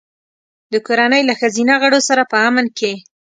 د کورنۍ له ښځینه غړو سره په امن کې.